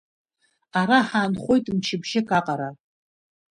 Ара ҳаанхоит мчыбжьык аҟара.